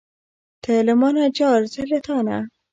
ته له مانه جار، زه له تانه.